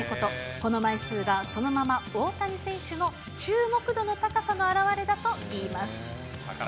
この枚数がそのまま大谷選手の注目度の高さの表れだといいます。